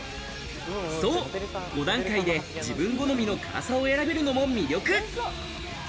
そう、５段階で自分好みの辛さを選べるのも魅力。